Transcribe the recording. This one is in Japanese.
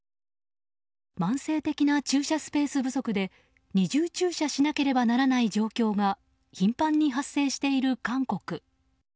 慢性的な駐車スペース不足で二重駐車しなければならない状況が頻繁に発生している韓国。